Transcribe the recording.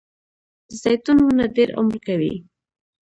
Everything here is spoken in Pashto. د زیتون ونه ډیر عمر کوي